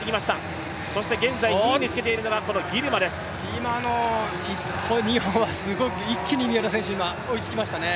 今の１歩、２歩は、一気に三浦選手、追いつきましたね。